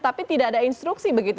tapi tidak ada instruksi begitu